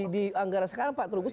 di anggaran sekarang pak trubus